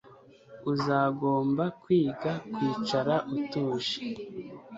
Uzagomba kwiga kwicara utuje